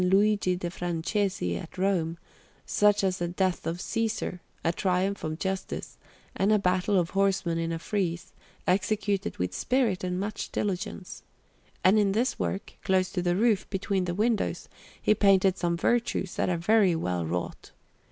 Luigi de' Francesi at Rome, such as the Death of Cæsar, a Triumph of Justice, and a battle of horsemen in a frieze, executed with spirit and much diligence; and in this work, close to the roof, between the windows, he painted some Virtues that are very well wrought.